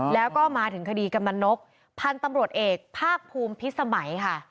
แล้วก็มาถึงคดีกำนันนกพันธุ์ตำรวจเอกภาคภูมิพิสมัยค่ะ